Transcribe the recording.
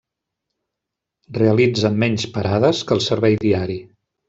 Realitza menys parades que el servei diari.